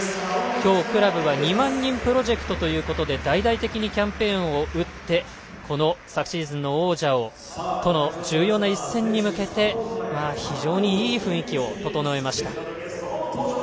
今日、クラブは２万人プロジェクトということで大々的にキャンペーンを打って昨シーズンの王者との重要な一戦に向けていい雰囲気を整えました。